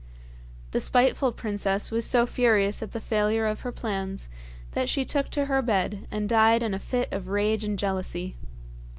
The spiteful princess was so furious at the failure of her plans that she took to her bed, and died in a fit of rage and jealousy.